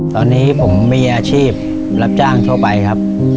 ตอนนี้ผมมีอาชีพรับจ้างทั่วไปครับ